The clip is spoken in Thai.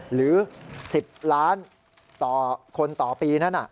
หรือ๑๐ล้านคนต่อปีนั่นน่ะ